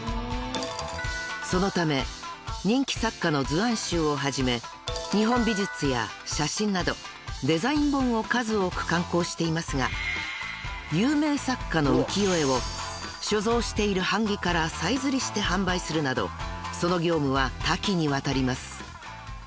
［そのため人気作家の図案集をはじめ日本美術や写真などデザイン本を数多く刊行していますが有名作家の浮世絵を所蔵している版木から再摺りして販売するなどその業務は多岐にわたります］